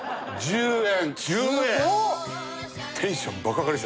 １０円！？